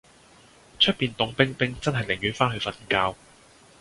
出面涷冰冰真係寧願返去瞓覺